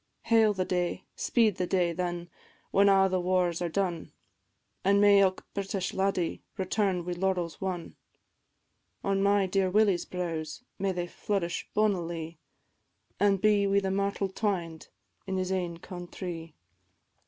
Hail the day, speed the day, then, when a' the wars are done! An' may ilk British laddie return wi' laurels won; On my dear Willie's brows may they flourish bonnily, An' be wi' the myrtle twined in his ain countrie.